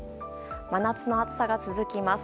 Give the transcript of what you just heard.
真夏の暑さが続きます。